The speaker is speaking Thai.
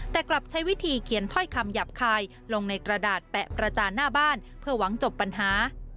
แต่กลับใช้วิธีเขียนถ้อยคำหยาบคายลงในกระดาษแปะประจานหน้าบ้านเพื่อหวังจบปัญหา